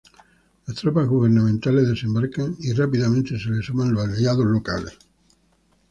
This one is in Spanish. Las tropas gubernamentales desembarcan y rápidamente se le suman los aliados locales.